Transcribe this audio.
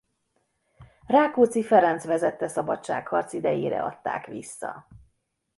Rákóczi Ferenc vezette szabadságharc idejére adták vissza.